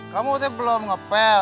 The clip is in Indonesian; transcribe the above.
kamu tuh belum ngepel